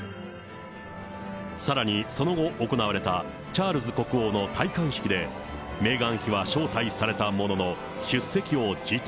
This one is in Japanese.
さらにその後、行われたチャールズ国王の戴冠式で、メーガン妃は招待されたものの、出席を辞退。